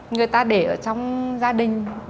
người ta để ở trong gia đình